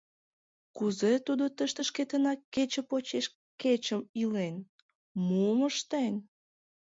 Кузе тудо тыште шкетынак кече почеш кечым илен, мом ыштен?